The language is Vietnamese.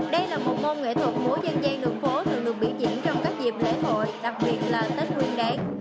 đây là một môn nghệ thuật múa dân gian đường phố thường được biểu diễn trong các dịp lễ hội đặc biệt là tết nguyên đáng